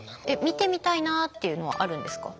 見てみたいなあっていうのはあるんですか？